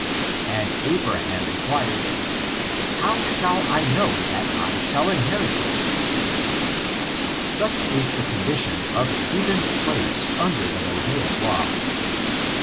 And Abraham inquires, "How shall I know that I shall inhtrii it?*' Such is the condition of heathen slares under the Mosaic Law.